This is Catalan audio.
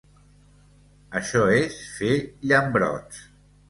Això és fer llambrots!